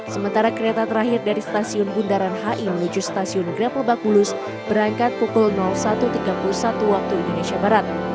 sementara kereta terakhir dari stasiun bundaran hi menuju stasiun grab lebak bulus berangkat pukul satu tiga puluh satu waktu indonesia barat